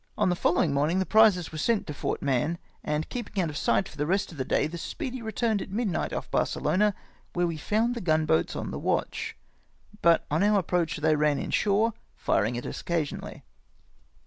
On the following morning the prizes were sent to Port Mahon, and keeping out of sight for the rest of the day, the Sjjeedy returned at midnight off Barcelona, where we found the gun boats on the watch ; but on our approach they ran in shore, firing at us occasionally.